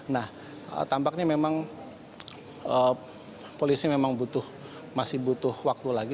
nah tampaknya memang polisi memang masih butuh waktu lagi